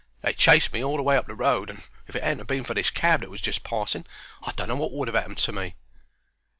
They chased me all the way up the road, and if it 'adn't ha' been for this cab that was just passing I don't know wot would 'ave 'appened to me."